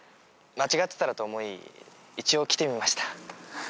間違ってたらと思い一応来てみました。